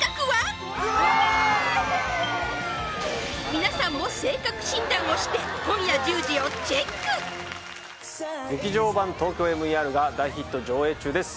皆さんも性格診断をして今夜１０時をチェック劇場版「ＴＯＫＹＯＭＥＲ」が大ヒット上映中です